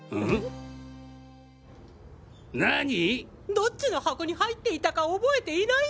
どっちの箱に入っていたか覚えていない！？